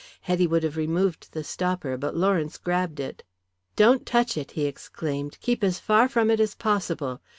Hetty would have removed the stopper, but Lawrence grabbed it. "Don't touch it," he exclaimed, "keep as far from it as possible.